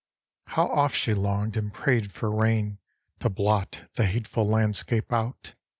How oft she longed and prayed for rain, To blot the hateful landscape out!